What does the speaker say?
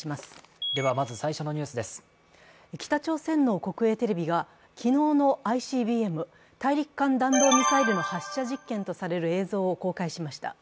北朝鮮の国営テレビが昨日のＩＣＢＭ＝大陸間弾道ミサイルの発射実験とされる映像を公開しました。